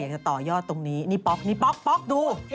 อยากจะต่อยอดตรงนี้นี่ป๊อกดู